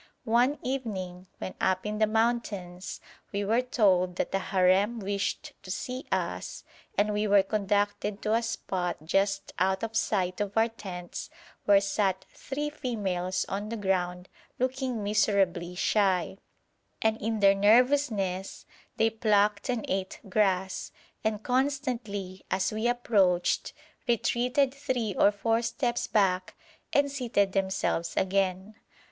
One evening, when up in the mountains, we were told that a harem wished to see us, and we were conducted to a spot just out of sight of our tents, where sat three females on the ground looking miserably shy, and in their nervousness they plucked and ate grass, and constantly as we approached retreated three or four steps back and seated themselves again.